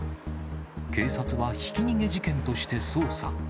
警察は、ひき逃げ事件として捜査。